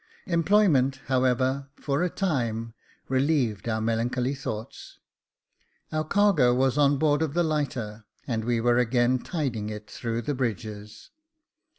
Employment, however, for a time relieved our melancholy thoughts. Our cargo was on board of the lighter, and we were again tiding it through the bridges.